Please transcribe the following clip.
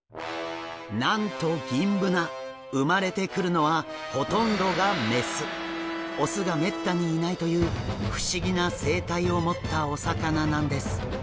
なんとギンブナ生まれてくるのは雄がめったにいないという不思議な生態を持ったお魚なんです。